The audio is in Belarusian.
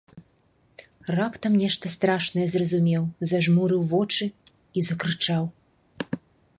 Раптам нешта страшнае зразумеў, зажмурыў вочы і закрычаў.